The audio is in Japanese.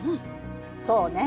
そうね。